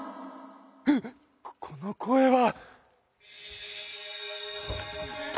うっこの声は。